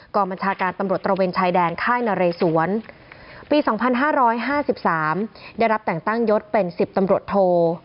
บัญชาการตำรวจตระเวนชายแดนค่ายนเรสวนปี๒๕๕๓ได้รับแต่งตั้งยศเป็น๑๐ตำรวจโท